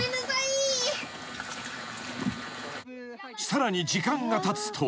［さらに時間がたつと］